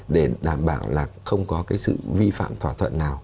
để đảm bảo là không có cái sự vi phạm thỏa thuận nào